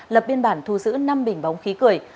lập biên bản thu giữ năm bình bóng khí cười